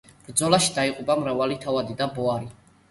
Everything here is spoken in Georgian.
ბრძოლაში დაიღუპა მრავალი თავადი და ბოიარი.